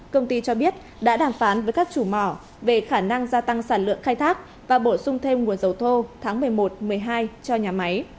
công ty cho biết đã đàm phán với các chủ mỏ về khả năng gia tăng sản lượng khai thác và bổ sung thêm nguồn dầu thô tháng một mươi một một mươi hai cho nhà máy